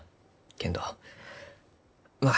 けんどまあ